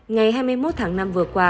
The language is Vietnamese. ngày hai mươi một tháng năm vừa qua